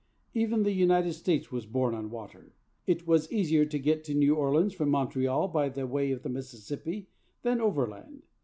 Even the United States was born on water. It was easier to get to New Orleans from Montreal by way of the Mississippi than overland.'